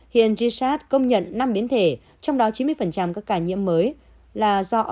hiện gz công nhận năm biến thể trong đó chín mươi các ca nhiễm mới là do omicron gây ra